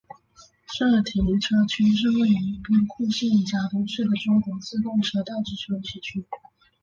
社停车区是位于兵库县加东市的中国自动车道之休息区。